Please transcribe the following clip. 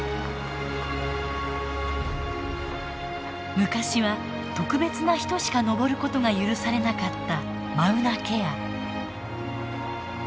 昔は特別な人しか登る事が許されなかったマウナケア。